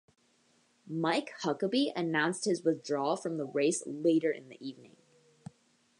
Mike Huckabee announced his withdrawal from the race later in the evening.